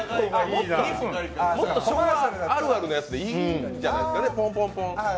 もっと昭和あるあるのやつでいいんじゃないですかね、ポンポンポン。